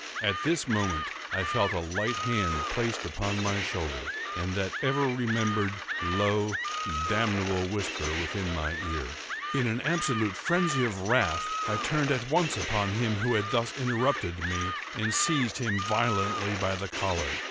At this moment I felt a light hand placed upon my shoulder, and that ever remembered, low, damnable whisper within my ear. In an absolute phrenzy of wrath, I turned at once upon him who had thus interrupted me, and seized him violently by the collar.